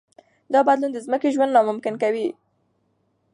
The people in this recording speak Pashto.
دا بدلون د ځمکې ژوند ناممکن کوي.